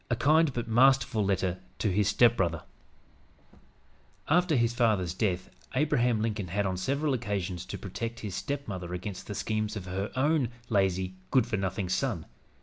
A KIND BUT MASTERFUL LETTER TO HIS STEPBROTHER After his father's death Abraham Lincoln had, on several occasions, to protect his stepmother against the schemes of her own lazy, good for nothing son.